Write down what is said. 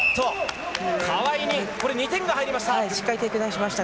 川井にこれ、２点が入りました。